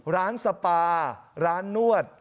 ร้านสปาร้านนวด